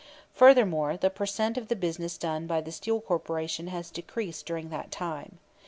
Furthermore, the per cent of the business done by the Steel Corporation has decreased during that time.